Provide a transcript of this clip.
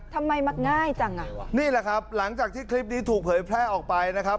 ทำไมมักง่ายจังอ่ะนี่แหละครับหลังจากที่คลิปนี้ถูกเผยแพร่ออกไปนะครับ